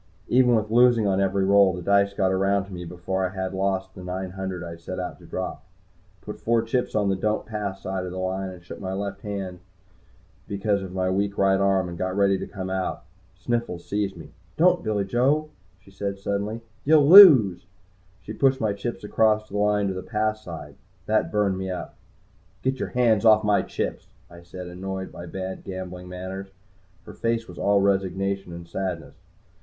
Even with losing on every roll, the dice got around to me before I had lost the nine hundred I had set out to drop. I put four chips on the "Don't Pass" side of the line, shook left handed because of my weak right arm, and got ready to come out. Sniffles seized me. "Don't Billy Joe!" she said suddenly. "You'll lose!" She pushed my chips across the line to the "Pass" side. That burned me up. "Get your hands off my chips," I said, annoyed by bad gambling manners. Her face was all resignation and sadness.